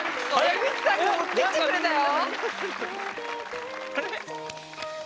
江口さんが持ってきてくれたよ。